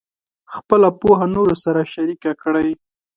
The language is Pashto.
خپله پوهه نورو سره شریکه کړئ.